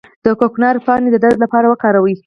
د کوکنارو پاڼې د درد لپاره وکاروئ